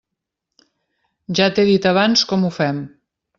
Ja t'he dit abans com ho fem.